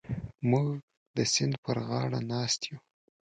موږ د سیند پر غاړه ناست یو.